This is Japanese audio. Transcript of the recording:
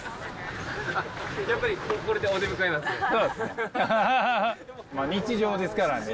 やっぱりこれでお出迎えなんですね。